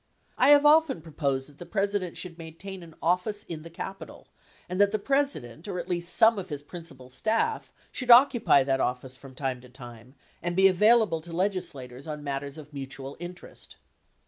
I have often pro 1114 posed that the President should maintain an office in the Capitol and that the President, or at least some of his principal staff should occupy that office from time to time and be available to legislators on matters of mutual interest.